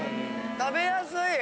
食べやすい。